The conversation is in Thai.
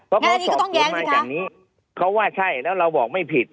เพราะเขาสอบสวนมาอย่างนี้เขาว่าใช่แล้วเราบอกไม่ผิด